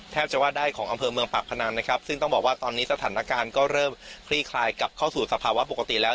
จะว่าได้ของอำเภอเมืองปากพนังนะครับซึ่งต้องบอกว่าตอนนี้สถานการณ์ก็เริ่มคลี่คลายกลับเข้าสู่สภาวะปกติแล้ว